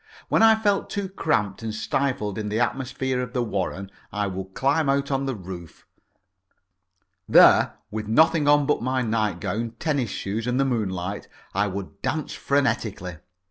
When I felt too cramped and stifled in the atmosphere of the Warren, I would climb out on the roof. There, with nothing on but my nightgown, tennis shoes, and the moonlight, I would dance frenetically.